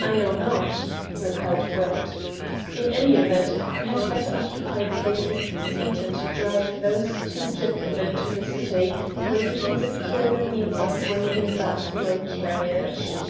"I know not," replied Brett. "In any event you had better occupy the vacant seat and drive those two gentlemen to the city, where you can secure the means of bringing back your carriage."